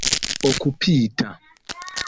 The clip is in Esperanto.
okupita